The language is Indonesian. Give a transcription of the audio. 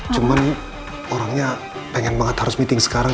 cuman orangnya pengen banget harus meeting sekarang